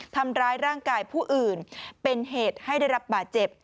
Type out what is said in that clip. ทำร้ายร่างกายผู้อื่นเป็นเหตุให้ได้รับบาดเจ็บ